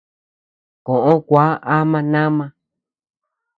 Koʼö kua ama nama.